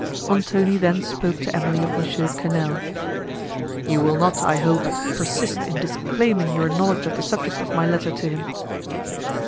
Montoni then spoke to Emily of Mons. Quesnel: "You will not, I hope, persist in disclaiming your knowledge of the subject of my letter to him?"